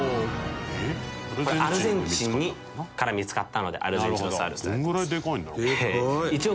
これアルゼンチンから見つかったのでアルゼンチノサウルスといわれてます。